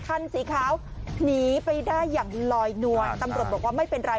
คันสีขาวหนีไปได้อย่างลอยนวลตำรวจบอกว่าไม่เป็นไร